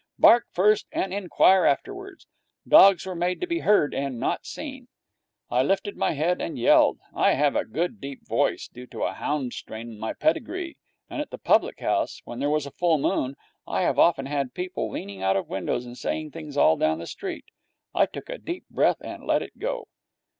Bark first, and inquire afterwards. Dogs were made to be heard and not seen.' I lifted my head and yelled. I have a good, deep voice, due to a hound strain in my pedigree, and at the public house, when there was a full moon, I have often had people leaning out of the windows and saying things all down the street. I took a deep breath and let it go.